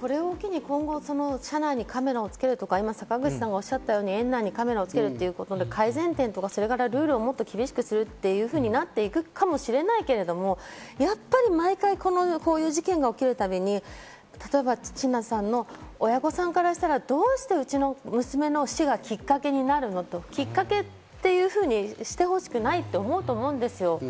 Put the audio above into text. これを機に今後、車内にカメラをつけるとか、坂口さんがおっしゃったように園内にカメラをつけるということの改善点とか、厳しくルールをするということになっていくかもしれないけど、毎回こういう事件が起きるたびに例えば千奈さんの親御さんからしたら、どうしてうちの娘の死がきっかけになるのときっかけというふうにしてほしくないって思うと思うんですよ。